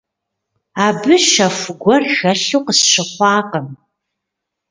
Абы щэху гуэр хэлъу къысщыхъукъым.